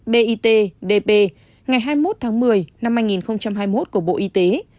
ba mươi tám bit dp ngày hai mươi một tháng một mươi năm hai nghìn hai mươi một của bộ y tế